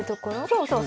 そうそう。